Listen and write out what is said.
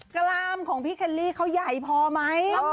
กล้ามของพี่เคลลี่เขาใหญ่พอไหม